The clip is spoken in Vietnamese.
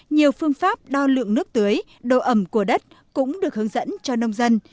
nhiều phương pháp đo lượng nước tưới độ ẩm của đất cũng được hướng dẫn cho nông dân